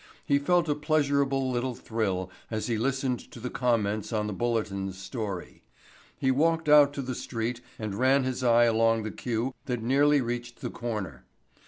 He felt a pleasurable little thrill as he listened to the comments on the Bulletin's story. He walked out to the street and ran his eye along the queue that nearly reached the corner.